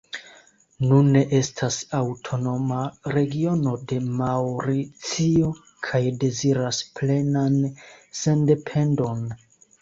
Nune estas aŭtonoma regiono de Maŭricio, kaj deziras plenan sendependon.